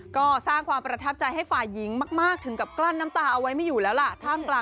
ก็สร้างความประทับใจให้ฝ่ายหญิงมากถึงกับกลั้นน้ำตาเอาไว้ไม่อยู่แล้วล่ะ